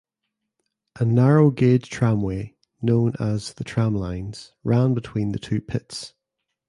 A narrow gauge tramway (known as "The Tramlines") ran between the two pits.